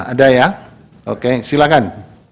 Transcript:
ada ya oke silakan